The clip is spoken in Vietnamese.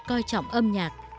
coi trọng âm nhạc